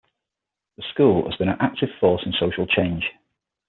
The School has been an active force in social change.